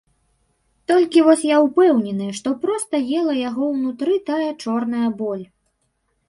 Толькі вось я ўпэўнены, што проста ела яго ўнутры тая чорная боль.